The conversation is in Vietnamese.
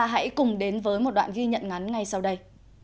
hãy cùng đến với một đoạn ghi nhận ngắn ngay sau đây